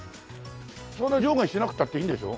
そんな上下しなくたっていいんでしょ？